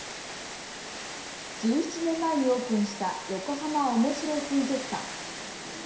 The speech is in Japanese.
１７年前にオープンした横浜おもしろ水族館。